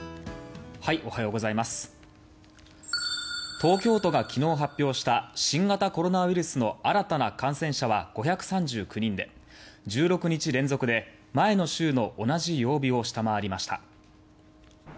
東京都が昨日発表した新型コロナウイルスの新たな感染者は５３９人で１６日連続で前の週の同じ曜日を下回りました。